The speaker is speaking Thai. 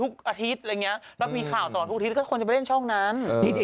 ก็ต้องล้างช่องนั้น